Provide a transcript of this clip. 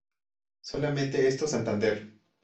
Solamente esto: Santander.